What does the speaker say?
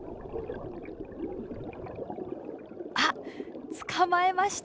あっ捕まえました。